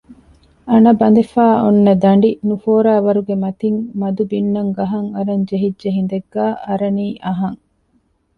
އަނަ ބަނދެފައި އޮންނަ ދަނޑި ނުފޯރާވަރުގެ މަތިން މަދު ބިންނަން ގަހަށް އަރަށް ޖެހިއްޖެ ހިނދެއްގައި އަރާނީ އަހަން